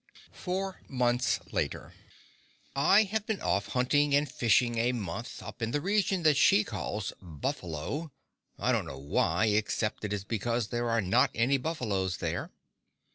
Four Months Later I have been off hunting and fishing a month, up in the region that she calls Buffalo; I don't know why, unless it is because there are not any buffaloes there.